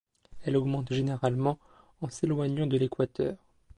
Elle augmente généralement en s'éloignant de l'équateur.